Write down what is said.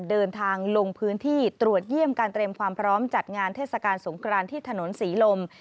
เดินทางลงพื้นที่ตรวจเยี่ยมการเตรียมความพร้อมจัดงานเทศกาลสงครานที่ถนนศรีลม